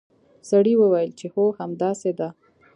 سړي وویل چې هو همداسې ده.